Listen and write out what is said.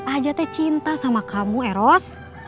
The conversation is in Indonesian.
a'ajat tuh cinta sama kamu eros